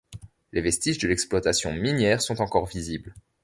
Les vestiges de l'exploitation minière sont encore visibles.